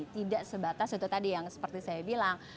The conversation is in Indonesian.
tidak sebatas itu tadi yang seperti saya bilang